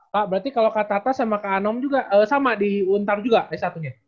pak berarti kalau kak tata sama kak anom juga sama diuntar juga s satu nya